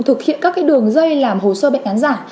thực hiện các đường dây làm hồ sơ bệnh án giả